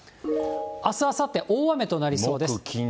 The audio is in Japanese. あす、あさって、大雨となりそうです。